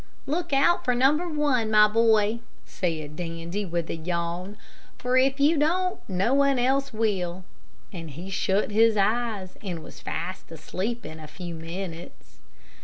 "Look out for number one, my boy," said Dandy, with a yawn; "for if you don't, no one else will," and he shut his eyes and was fast asleep in a few minutes.